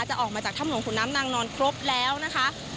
ออกมาจากถ้ำหลวงขุนน้ำนางนอนครบแล้วนะคะ